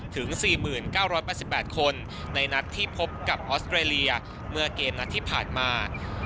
ถึง๔๙๘๘คนในนัดที่พบกับออสเตรเลียเมื่อเกมนัดที่ผ่านมา